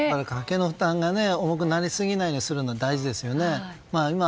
家計の負担が多くなりすぎないようにするのは大事ですよね。